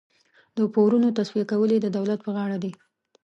د پورونو تصفیه کول یې د دولت پر غاړه دي.